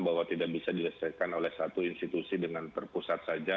bahwa tidak bisa diselesaikan oleh satu institusi dengan terpusat saja